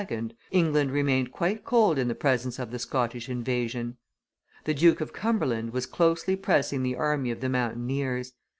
England remained quite cold in the presence of the Scottish invasion. The Duke of Cumberland was closely pressing the army of the mountaineers.